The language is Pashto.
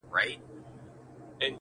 د فکرونه، ټوله مزخرف دي.